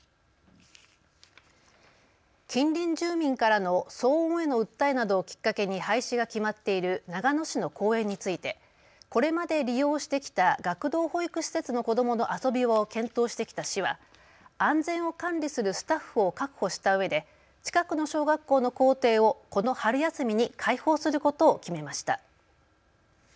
近隣住民からの騒音への訴えなどをきっかけに廃止が決まっている長野市の公園について、これまで利用してきた学童保育施設の子どもの遊び場を検討してきた市は安全を管理するスタッフを確保したうえで近くの小学校の校庭をこの春休みに開放することを決めました。